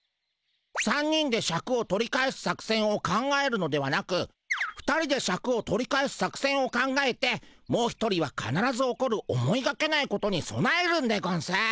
３人でシャクを取り返す作せんを考えるのではなく２人でシャクを取り返す作せんを考えてもう一人はかならず起こる思いがけないことにそなえるんでゴンス。